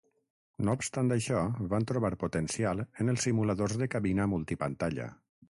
No obstant això, van trobar potencial en els simuladors de cabina multipantalla.